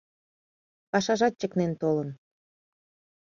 Пашажат чыкнен толын.